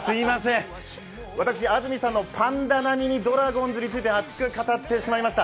私安住さんのパンダ並みにドラゴンズを熱く語ってしまいました。